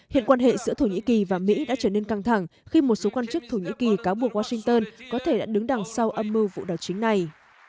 hiện quan hệ giữa thổ nhĩ kỳ và mỹ đã trở nên căng thẳng khi một số quan chức thổ nhĩ kỳ cáo buộc washington có thể đã đứng đằng sau âm mưu vụ đảo chính này